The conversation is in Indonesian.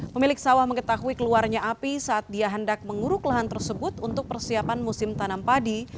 pemilik sawah mengetahui keluarnya api saat dia hendak menguruk lahan tersebut untuk persiapan musim tanam padi